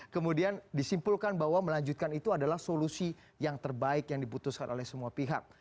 kemudian disimpulkan bahwa melanjutkan itu adalah solusi yang terbaik yang diputuskan oleh semua pihak